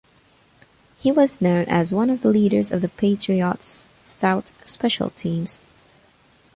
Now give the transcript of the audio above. He was known as one of the leaders of the Patriots' stout special teams.